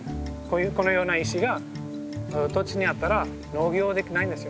このような石が土地にあったら農業はできないんですよ。